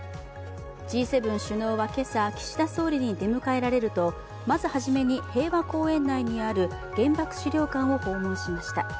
Ｇ７首脳は今朝、岸田総理に出迎えられると平和公園内にある原爆資料館を訪問しました。